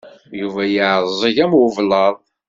Yuba yeɛẓeg am ublaḍ.